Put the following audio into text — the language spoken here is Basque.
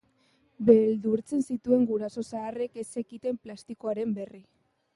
Beldurtzen zituen guraso zaharrek ez zekiten plastikoaren berri.